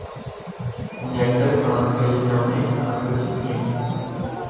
On y accède par un escalier fermé par une petite grille.